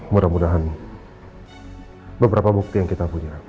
mudah mudahan beberapa bukti yang kita punya